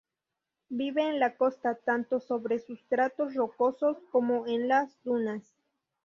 Vive en la costa tanto sobre sustratos rocosos como en las dunas.